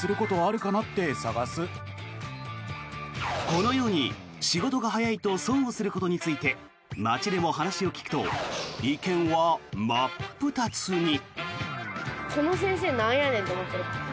このように仕事が早いと損をすることについて街でも話を聞くと意見は真っ二つに。